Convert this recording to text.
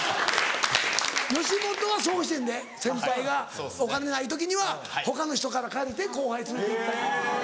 吉本はそうしてんで先輩がお金ない時には他の人から借りて後輩連れて行ったり。